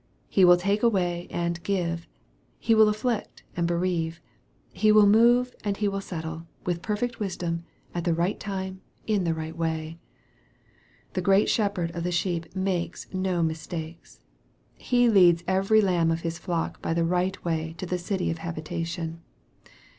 He will take away and give He will afflict and bereave He will move and He will settle, with perfect wisdom, at the right time, in the right way. The great Shepherd of the sheep makes no mistakes. He leads every lamb of His flock by the right way to the city of habitation.